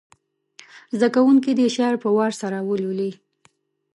زده کوونکي دې شعر په وار سره ولولي.